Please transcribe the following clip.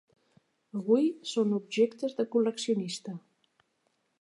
Avui són objectes de col·leccionista.